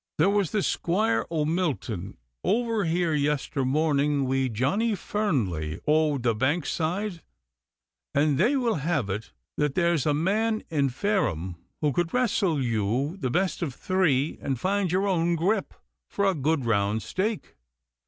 'There was the Squire o' Milton over here yester morning wi' Johnny Ferneley o' the Bank side, and they will have it that there's a man in Fareham who could wrestle you, the best of three, and find your own grip, for a good round stake.